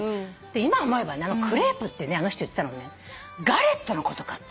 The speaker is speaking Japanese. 今思えばねクレープってねあの人言ってたのがねガレットのことかと。